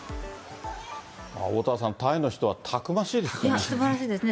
おおたわさん、タイの人はたくましいですね。